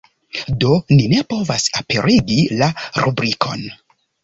Do ni ne povas aperigi la rubrikon.